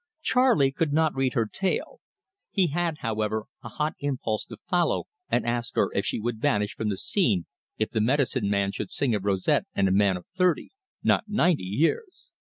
Charley could not read her tale. He had, however, a hot impulse to follow and ask her if she would vanish from the scene if the medicine man should sing of Rosette and a man of thirty, not ninety, years.